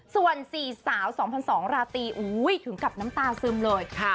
ส่วน๔สาว๒๐๐๒ราตรีถึงกับน้ำตาซึมเลย